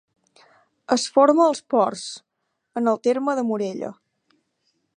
Es forma als Ports, en el terme de Morella.